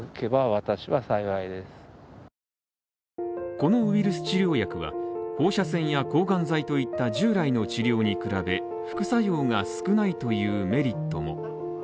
このウイルス治療薬は、放射線や抗がん剤といった従来の治療に比べ副作用が少ないというメリットも。